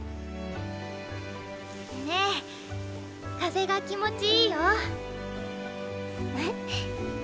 ねー風が気持ちいいよー。